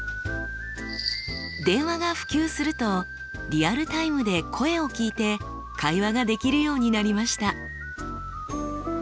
電話が普及するとリアルタイムで声を聞いて会話ができるようになりました。